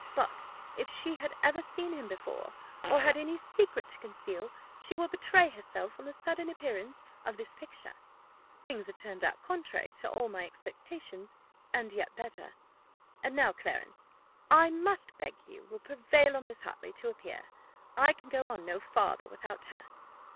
But if she had ever seen him before, or had any secret to conceal, she will betray herself on the sudden appearance of this picture.' Things have turned out contrary to all my expectations, and yet better. And now, Clarence, I must beg you will prevail on Miss Hartley to appear; I can go on no farther without her."